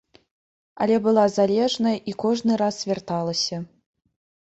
Але была залежная і кожны раз вярталася.